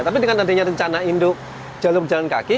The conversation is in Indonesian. tapi dengan adanya rencana induk jalur pejalan kaki